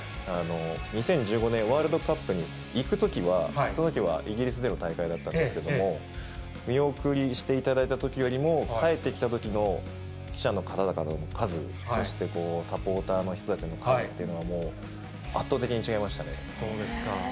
２０１５年ワールドカップに行くときは、そのときはイギリスでの大会だったんですけれども、見送りしていただいたときよりも、帰ってきたときの記者の方々の数、そしてサポーターの人たちの数っていうのはもう、圧倒的に違いまそうですか。